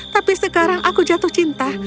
tapi sekarang aku jatuh cinta